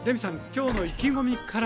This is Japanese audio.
きょうの意気込みから。